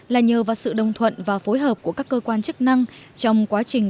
là nhờ vào sự đồng thuận và phối hợp của các cơ quan chức năng trong quá trình